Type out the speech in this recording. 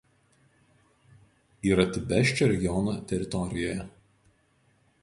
Yra Tibesčio regiono teritorijoje.